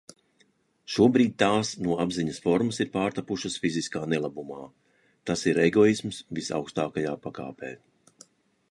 Šobrīd tās no apziņas formas ir pārtapušas fiziskā nelabumā. Tas ir egoisms visaugstākajā pakāpē.